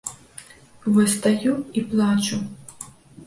Вось стаю і плачу.